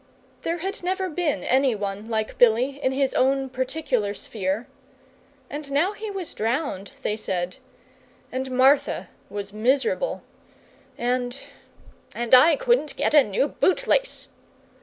There had never been any one like Billy in his own particular sphere; and now he was drowned, they said, and Martha was miserable, and and I couldn't get a new bootlace.